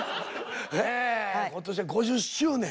今年で５０周年。